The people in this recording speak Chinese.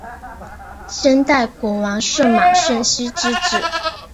先代国王舜马顺熙之子。